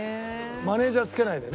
マネジャー付けないでね。